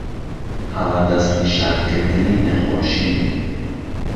ههڵه دهستنیشانکردنی نهخۆشیی